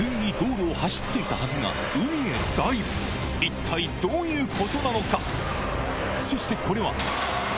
普通に一体どういうことなのか？